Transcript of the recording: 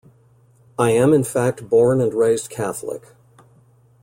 I am in fact born and raised Catholic.